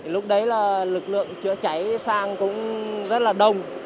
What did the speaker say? lúc đấy là lực lượng chữa cháy sang cũng rất là đông